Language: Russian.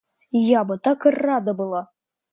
Я бы так рада была!